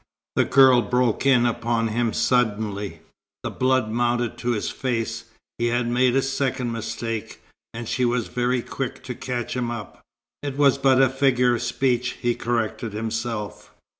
the girl broke in upon him suddenly. The blood mounted to his face. He had made a second mistake, and she was very quick to catch him up. "It was but a figure of speech," he corrected himself.